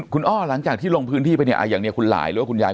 คุณอ้อหลังจากที่ลงพื้นที่ไปเนี่ยอย่างนี้คุณหลายหรือว่าคุณยาย